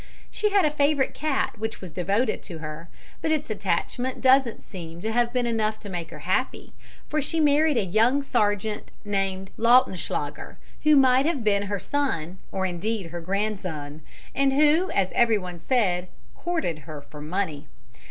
She had a favourite cat which was devoted to her, but its attachment doesn't seem to have been enough to make her happy, for she married a young sergeant named Lautenschlager, who might have been her son or indeed her grandson and who, as everyone said, courted her for her money.